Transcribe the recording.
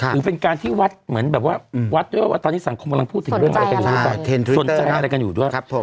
หรือเป็นการที่วัดเหมือนแบบว่าวัดด้วยว่าวุงการสังคมพูดถึงอะไรกันอยู่ด้วย